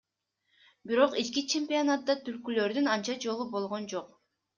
Бирок ички чемпионатта түлкүлөрдүн анча жолу болгон жок.